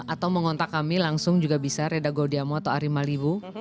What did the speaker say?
atau mengontak kami langsung juga bisa reda gaudiamo atau ari malibu